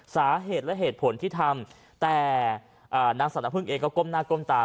สาเหตุและเหตุผลที่ทำแต่นางสรรพึ่งเองก็ก้มหน้าก้มตา